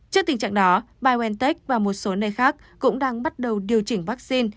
trước tình trạng đó biontech và một số nơi khác cũng đang bắt đầu điều chỉnh vaccine